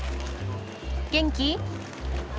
元気？